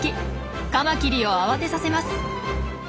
カマキリを慌てさせます。